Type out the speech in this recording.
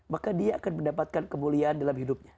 maka dia akan mendapatkan kemuliaan dalam hidupnya